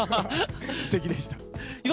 すてきでした。